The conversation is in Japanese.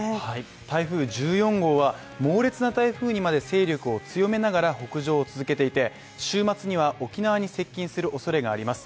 台風１４号は猛烈な台風にまで勢力を強めながら北上を続けていて、週末には沖縄に接近するおそれがあります。